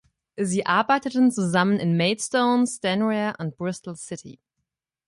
Sie arbeiteten zusammen in Maidstone, Stranraer und Bristol City.